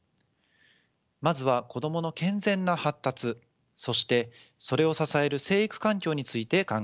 まずは子どもの健全な発達そしてそれを支える成育環境について考えます。